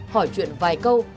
hỏi chuyện vài câu